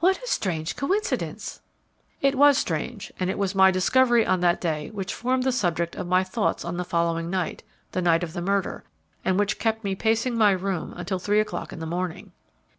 "What a strange coincidence!" "It was strange; and it was my discovery on that day which formed the subject of my thoughts on the following night, the night of the murder, and which kept me pacing my room until three o'clock in the morning."